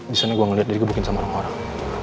disana gue ngeliat dia dikebukin sama orang orang